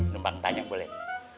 numpang tanya boleh